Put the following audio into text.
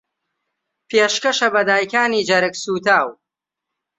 پێشکەشە بە دایکانی جەرگسووتاو